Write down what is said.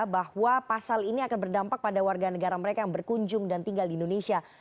bahwa pasal ini akan berdampak pada warga negara mereka yang berkunjung dan tinggal di indonesia